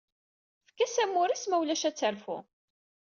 Efk-as amur-is mulac ad terfu.